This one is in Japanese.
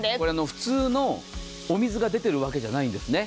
普通のお水が出てるわけじゃないんですね。